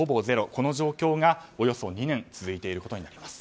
この状況がおよそ２年続いていることになります。